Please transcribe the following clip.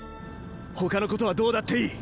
ほかのことはどうだっていい。